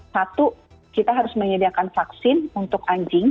satu kita harus menyediakan vaksin untuk anjing